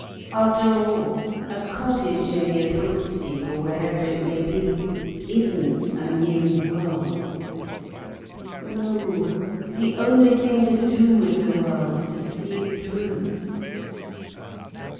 After all, a cottage in the Abruzzi, or wherever it may be, isn't a new world. No, the only thing to do with the world, is to see it through."